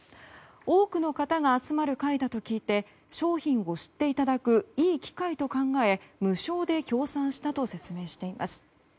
多くの方が集まる会だと知って商品を知っていただくいい機会と考え無償で協賛したと説明しています。